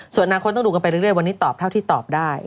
ส่วนอนาคตต้องดูกันไปเรื่อยวันนี้ตอบเท่าที่ตอบได้